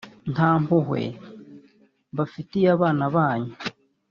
nta mpuhwe bafitiye abana banyu